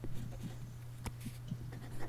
契马布埃意大利佛罗伦萨最早的画家之一。